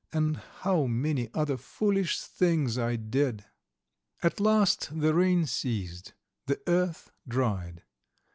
And how many other foolish things I did! At last the rain ceased, the earth dried.